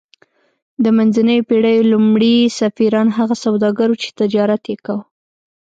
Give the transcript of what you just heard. د منځنیو پیړیو لومړي سفیران هغه سوداګر وو چې تجارت یې کاوه